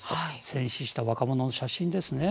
戦死した若者の写真ですね。